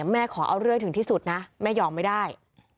แม่ขอเอาเรื่อยถึงที่สุดนะแม่หยอมไม่ได้